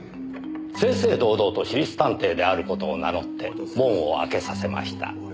正々堂々と私立探偵である事を名乗って門を開けさせました。